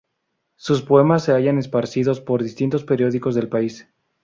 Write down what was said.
Sus poemas se hallaban esparcidos por distintos periódicos del país.